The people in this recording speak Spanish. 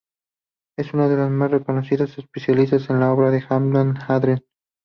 Es una de las más reconocidas especialistas en la obra de Hannah Arendt.